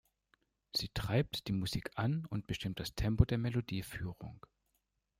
Sie treibt die Musik an und bestimmt das Tempo der Melodieführung.